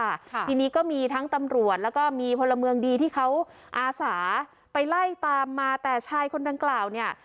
ค่ะทีนี้ก็มีทั้งตำรวจแล้วก็มีพลเมืองดีที่เขาอาสาไปไล่ตามมาแต่ชายคนดังกล่าวเนี่ย